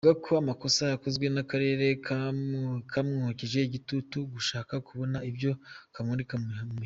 Avuga ko amakosa yakozwe n’Akarere kamwokeje igitutu gashaka kubona ibyo kamurika mu mihigo.